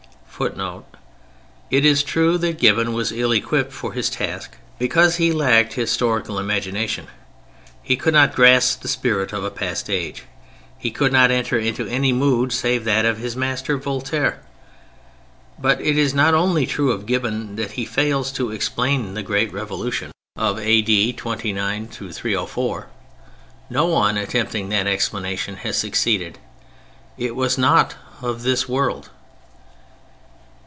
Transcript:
[Footnote: It is true that Gibbon was ill equipped for his task because he lacked historical imagination. He could not grasp the spirit of a past age. He could not enter into any mood save that of his master, Voltaire. But it is not only true of Gibbon that he fails to explain the great revolution of A.D. 29 304. No one attempting that explanation has succeeded. It was not of this world.